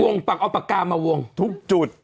วงปากเอาปากกามาวงทุกจุด